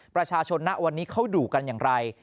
ประชาชนนะวันนี้เขาดุกันอย่างไร